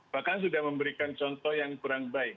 bahkan sudah memberikan contoh yang kurang baik